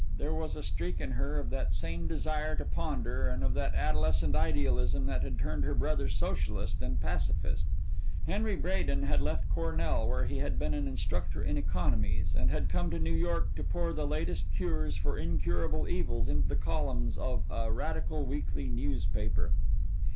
There was a streak in her of that same desire to ponder, of that adolescent idealism that had turned her brother socialist and pacifist. Henry Bradin had left Cornell, where he had been an instructor in economies, and had come to New York to pour the latest cures for incurable evils into the columns of a radical weekly newspaper.